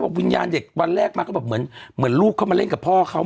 บางวันแรกมันเหมือนลูกเล่นกับพ่อเขา